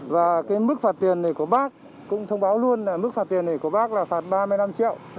và cái mức phạt tiền này của bác cũng thông báo luôn là mức phạt tiền này của bác là phạt ba mươi năm triệu